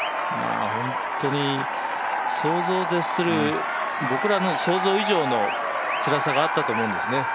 本当に想像を絶する、僕らの想像以上のつらさがあったと思うんですね。